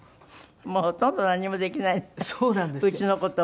もうほとんど何もできないのねうちの事は。